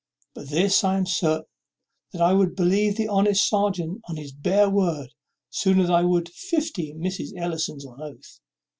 But this I am certain, that I would believe the honest serjeant on his bare word sooner than I would fifty Mrs. Ellisons on oath.